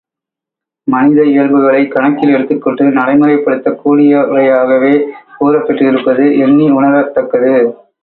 மனித இயல்புகளைக் கணக்கில் எடுத்துக் கொண்டு நடைமுறைப் படுத்தக் கூடியவையாகவே கூறப் பெற்றிருப்பது எண்ணி உணரத் தக்கது.